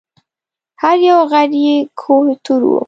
هر یو غر یې کوه طور و